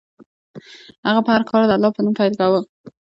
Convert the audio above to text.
هغه به هر کار د الله په نوم پیل کاوه.